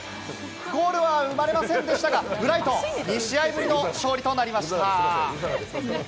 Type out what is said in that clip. ゴールは生まれませんでしたが、ブライトン、２試合ぶりの勝利となりました。